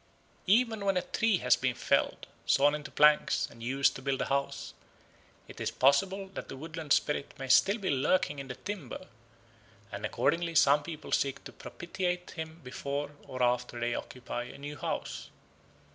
Even when a tree has been felled, sawn into planks, and used to build a house, it is possible that the woodland spirit may still be lurking in the timber, and accordingly some people seek to propitiate him before or after they occupy the new house.